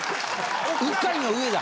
うっかりの上だ。